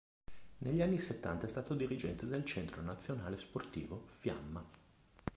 Negli anni settanta è stato dirigente del Centro Nazionale Sportivo Fiamma.